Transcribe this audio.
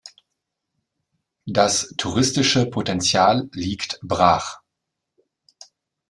Das touristische Potenzial liegt brach.